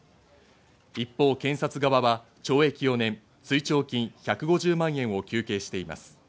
一方、検察側は懲役４年、追徴金１５０万円を求刑しています。